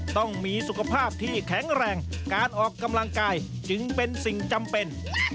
ต้องมีสุขภาพที่แข็งแรงการออกกำลังกายจึงเป็นสิ่งจำเป็น